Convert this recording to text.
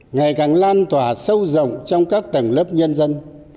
ngày càng lan tỏa sâu rộng trong các tầng lớp nhân dân